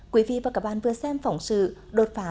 quý vị và các bạn vừa xem phỏng sự đột phá